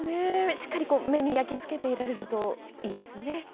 しっかり目に焼き付けていられるといいですね。